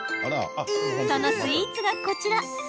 そのスイーツが、こちら。